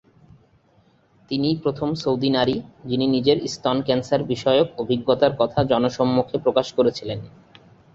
তিনিই প্রথম সৌদি নারী, যিনি নিজের স্তন ক্যান্সার বিষয়ক অভিজ্ঞতার কথা জনসম্মুখে প্রকাশ করেছিলেন।